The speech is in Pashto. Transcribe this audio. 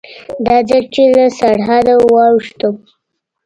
دا ځل چې له سرحده واوښتم.